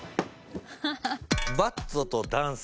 バッドとダンス。